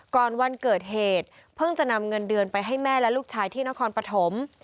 วันเกิดเหตุเพิ่งจะนำเงินเดือนไปให้แม่และลูกชายที่นครปฐม